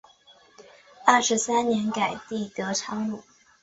二十三年改隶德昌路。